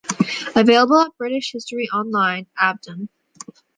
Available at British History Online: Abdon.